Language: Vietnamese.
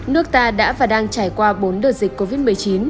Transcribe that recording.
nước ta đã và đang trải qua bốn đợt dịch covid một mươi chín